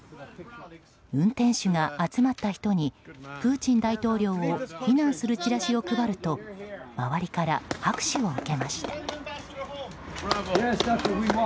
運転手が集まった人にプーチン大統領を非難するチラシを配ると周りから拍手を受けました。